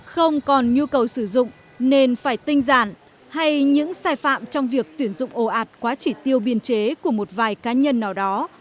không còn nhu cầu sử dụng nên phải tinh giản hay những sai phạm trong việc tuyển dụng ồ ạt quá chỉ tiêu biên chế của một vài cá nhân nào đó